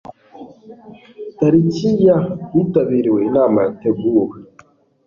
tariki ya hitabiriwe inama yateguwe